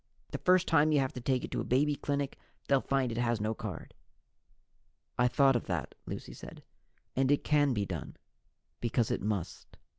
The first time you have to take it to a baby clinic, they'll find it has no card." "I thought of that," Lucy said, "and it can be done, because it must.